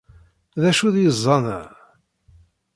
D acu d iẓẓan-a?